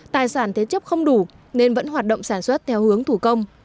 tài sản thế chấp không đủ nên vẫn hoạt động sản xuất theo hướng thủ công